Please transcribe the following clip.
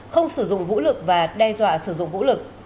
không sử dụng vũ lực và đe dọa sử dụng vũ lực